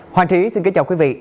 hoàng trí xin kính chào quý vị